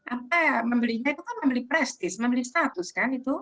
apa ya membelinya itu kan membeli prestis membeli status kan itu